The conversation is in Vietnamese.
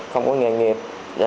không có nghề nghiệp